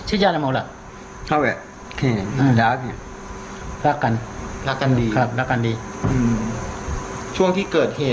อีกฝ่ายกำลังทำร้ายเขาก่อนหรือไง